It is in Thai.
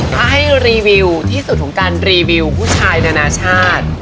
ถ้าให้รีวิวที่สุดของการรีวิวผู้ชายนานาชาติ